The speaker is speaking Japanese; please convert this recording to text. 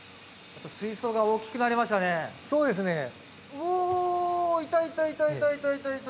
うおいたいたいたいた。